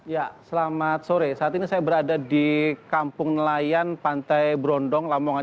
ya selamat sore saat ini saya berada di kampung nelayan pantai brondong lamongan